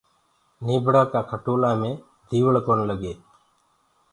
نيٚڀڙآ ڪآ کٽولآ مي ديوݪ ڪونآ لگي